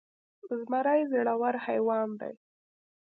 زمری زړور حيوان دی.